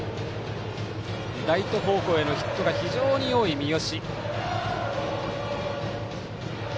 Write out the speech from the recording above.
ライト方向へのヒットが非常に多い三好。